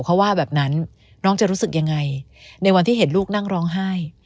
เขาว่าแบบนั้นน้องจะรู้สึกยังไงในวันที่เห็นลูกนั่งร้องไห้